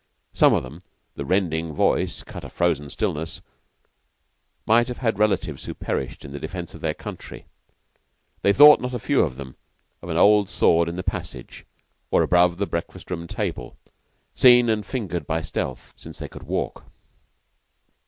Some of them the rending voice cut a frozen stillness might have had relatives who perished in defence of their country. They thought, not a few of them, of an old sword in a passage, or above a breakfast room table, seen and fingered by stealth since they could walk.